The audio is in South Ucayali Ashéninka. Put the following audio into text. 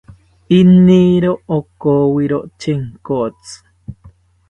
Iniro okiwiro Chenkotzi